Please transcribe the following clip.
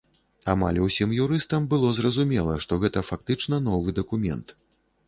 Амаль усім юрыстам было зразумела, што гэта фактычна новы дакумент.